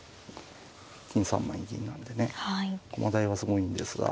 金３枚に銀なんでね駒台はすごいんですが。